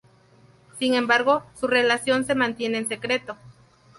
Sin embargo, su relación se mantiene en secreto.